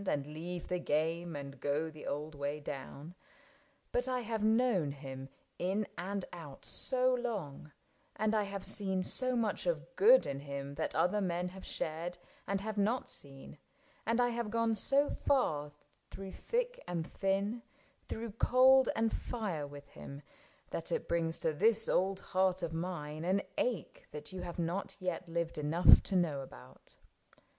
And leave the game, and go the old way down ; But I have known him in and out so long, And I have seen so much of good in him That other men have shared and have not seen, And I have gone so far through thick and thin, 88 ISAAC AND ARCHIBALD Through cold and fire with him, that it brings To this old heart of mine an ache that you Have not yet lived enough to know about.